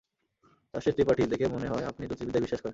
Justice Tripathi, দেখে মনে হয় আপনি জ্যোতিষবিদ্যায় বিশ্বাস করেন।